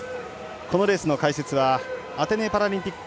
このレースの解説はアテネパラリンピック